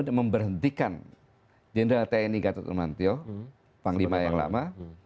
dan memberhentikan general tni gatotun nantio panglima yang lama